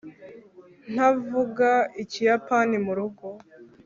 ntavuga ikiyapani murugo